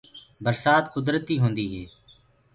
برسآت کُدرتي هوندي هي۔